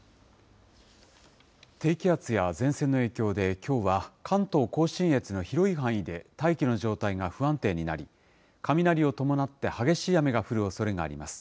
低気圧や前線の影響で、きょうは関東甲信越の広い範囲で大気の状態が不安定になり、雷を伴って激しい雨が降るおそれがあります。